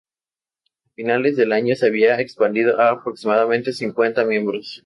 A finales de año se había expandido a aproximadamente cincuenta miembros.